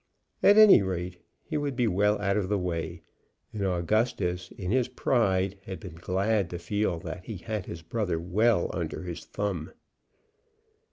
At any rate he would be well out of the way, and Augustus in his pride had been glad to feel that he had his brother well under his thumb.